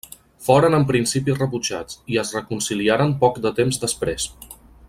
Foren en principi rebutjats, i es reconciliaren poc de temps després.